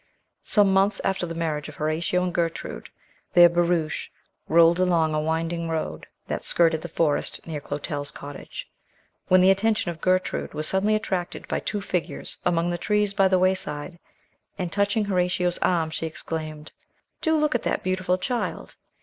Some months after the marriage of Horatio and Gertrude their barouche rolled along a winding road that skirted the forest near Clotel's cottage, when the attention of Gertrude was suddenly attracted by two figures among the trees by the wayside; and touching Horatio's arm, she exclaimed, "Do look at that beautiful child."